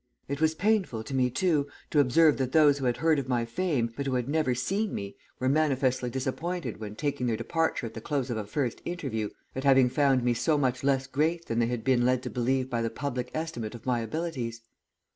It was painful to me, too, to observe that those who had heard of my fame, but who had never seen me, were manifestly disappointed, when taking their departure at the close of a first interview, at having found me so much less great than they had been led to believe by the public estimate of my abilities.